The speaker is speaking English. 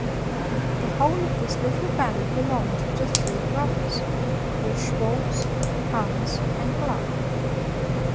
The whole of this little valley belonged to three brothers, called Schwartz, Hans, and Gluck.